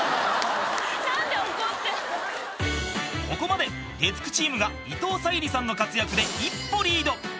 ［ここまで月９チームが伊藤沙莉さんの活躍で一歩リード］